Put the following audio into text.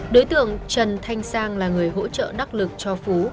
đối tượng trần thanh sang là người hỗ trợ đắc lực cho phú